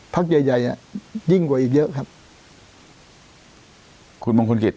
ใหญ่ใหญ่อ่ะยิ่งกว่าอีกเยอะครับคุณมงคลกิจ